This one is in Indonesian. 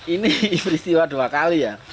ini peristiwa dua kali ya